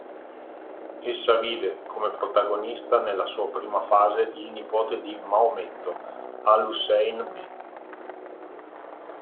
Essa vide come protagonista nella sua prima fase il nipote di Maometto, al-Ḥusayn b.